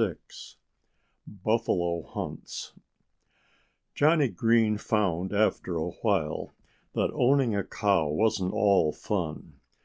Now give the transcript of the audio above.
VI BUFFALO HUNTS Johnnie Green found, after a while, that owning a cow wasn't all fun.